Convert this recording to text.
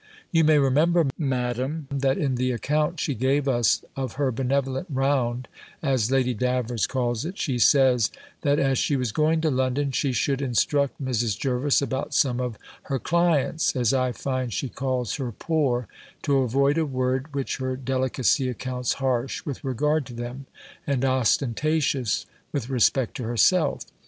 You may remember, Madam, that in the account she gave us of her benevolent round, as Lady Davers calls it, she says, that as she was going to London, she should instruct Mrs. Jervis about some of her clients, as I find she calls her poor, to avoid a word which her delicacy accounts harsh with regard to them, and ostentatious with respect to herself.